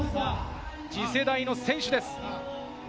次世代の選手です。